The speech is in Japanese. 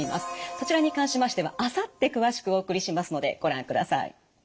そちらに関しましてはあさって詳しくお送りしますのでご覧ください。